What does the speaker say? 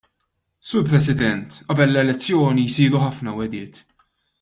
Sur President, qabel l-elezzjoni jsiru ħafna wegħdiet.